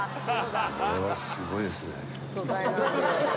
これはすごいですね